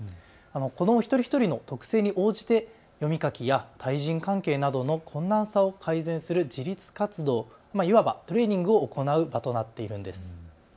子ども一人一人の特性に応じて読み書きや対人関係などの困難さを改善する自立活動、いわばトレーニングを行う場となっているんです。